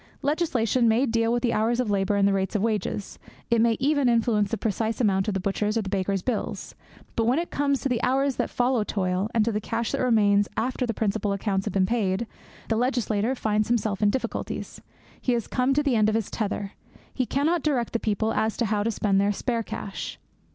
Legislation may deal with the hours of labour and the rate of wages. It may even influence the precise amount of the butcher's or the baker's bills. But when it comes to the hours that follow toil, and to the cash that remains after the principal accounts have been paid, the legislator finds himself in difficulties. He has come to the end of his tether. He cannot direct the people as to how to spend their spare cash.